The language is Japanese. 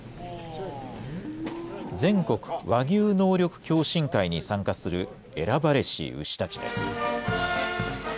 全国和牛能力共進会に参加する、選ばれし牛たちです。